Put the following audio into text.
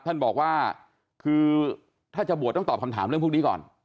ท่านบอกว่าคือถ้าจะบวชต้องตอบคำถามเรื่องพวกนี้ก่อน